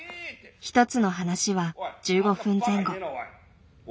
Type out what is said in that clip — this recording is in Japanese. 一つの噺は１５分前後。